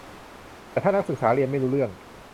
แต่ถ้านักศึกษาเรียนไม่รู้เรื่อง